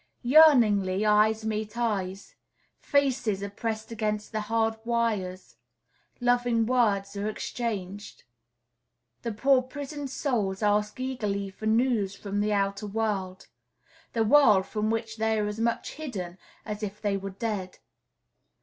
Yearningly eyes meet eyes; faces are pressed against the hard wires; loving words are exchanged; the poor prisoned souls ask eagerly for news from the outer world, the world from which they are as much hidden as if they were dead.